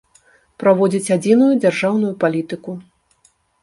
Праводзiць адзiную дзяржаўную палiтыку.